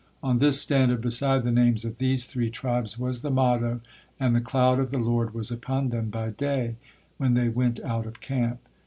On this standard beside the names of these three tribes was the motto, "And the cloud of the Lord was upon them by day, when they went out of camp."